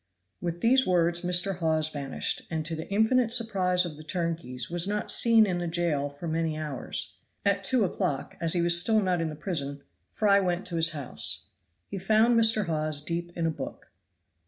With these words Mr. Hawes vanished, and to the infinite surprise of the turnkeys was not seen in the jail for many hours. At two o'clock, as he was still not in the prison, Fry went to his house. He found Mr. Hawes deep in a book.